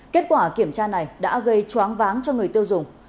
kết quả kiểm tra này đã gây choáng váng cho người tiêu dùng